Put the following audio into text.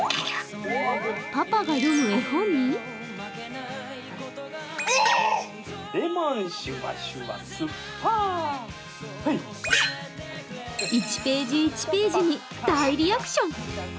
パパが読む絵本に１ページ１ページに大リアクション。